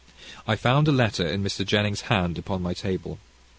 I found a letter in Mr. Jennings' hand upon my table.